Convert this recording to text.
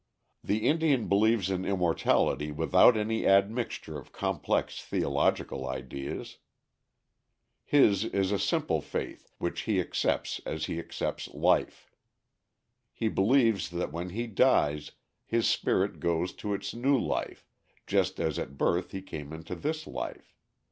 The Indian believes in immortality without any admixture of complex theological ideas. His is a simple faith which he accepts as he accepts life. He believes that when he dies his spirit goes to its new life just as at birth he came into this life.